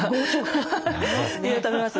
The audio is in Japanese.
食べますね。